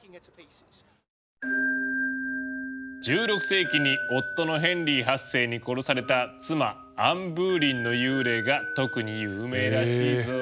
１６世紀に夫のヘンリー８世に殺された妻アン・ブーリンの幽霊が特に有名らしいぞ。